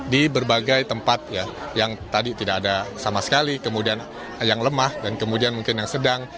di berbagai tempat ya yang tadi tidak ada sama sekali kemudian yang lemah dan kemudian mungkin yang sedang